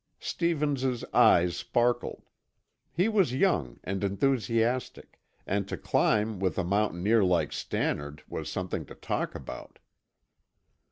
Stevens's eyes sparkled. He was young and enthusiastic, and to climb with a mountaineer like Stannard was something to talk about.